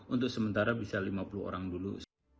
untuk sementara bisa lima puluh orang dulu